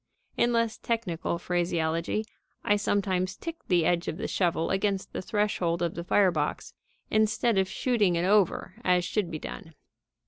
In less technical phraseology, I sometimes tick the edge of the shovel against the threshold of the fire box, instead of shooting it over as should be done.